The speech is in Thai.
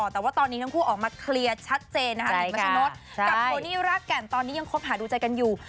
แต่ว่าตอนนี้ทั้งคู่ออกมาเคลียร์ชัดเจนนะคะหนุ่มมัชนดกับโทนี่รากแก่นตอนนี้ยังคบหาดูใจกันอยู่